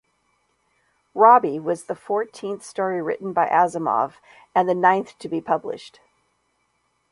"Robbie" was the fourteenth story written by Asimov, and the ninth to be published.